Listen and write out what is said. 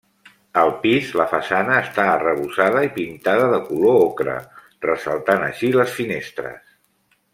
Al pis, la façana està arrebossada i pintada de color ocre, ressaltant així les finestres.